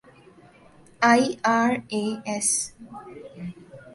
IRAS